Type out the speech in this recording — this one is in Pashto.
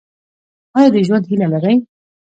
ایا د ژوند هیله لرئ؟